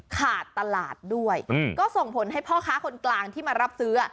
ขาดตลาดด้วยก็ส่งผลให้พ่อค้าคนกลางที่มารับซื้อ